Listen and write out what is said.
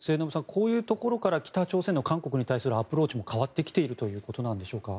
こういうところから北朝鮮の韓国に対するアプローチも変わってきているということなのでしょうか。